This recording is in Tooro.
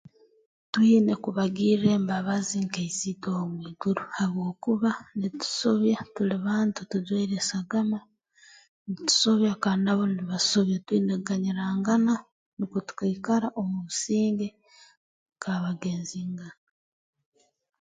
Twine kubagirra embabazi nka isitwe ow'omwiguru habwokuba nitusobya tuli bantu tujwaire esagama ntusobya kandi nabo nibasobya twine kuganyirangana nukwo tukaikara omu businge nk'abagenzingana